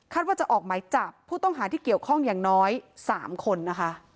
ว่าจะออกหมายจับผู้ต้องหาที่เกี่ยวข้องอย่างน้อย๓คนนะคะ